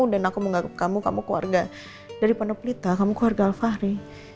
dan aku mau ngagep kamu kamu keluarga dari pendok pelita kamu keluarga alfahri